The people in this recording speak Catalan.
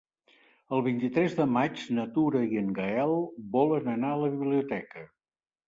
El vint-i-tres de maig na Tura i en Gaël volen anar a la biblioteca.